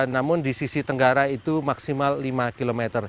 namun di sisi tenggara itu maksimal lima km